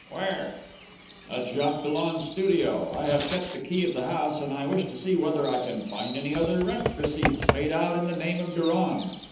"Where!" "At Jacques Dollon's studio. I have kept the key of the house, and I wish to see whether I can find any other rent receipts made out in the name of Durand.